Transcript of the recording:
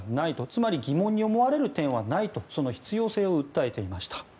つまり疑問に思われるものはないと必要性を訴えていました。